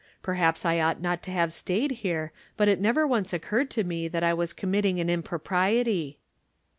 Per haps I ought not to have staid here, but it never once occurred to me that I was committing an impropriety."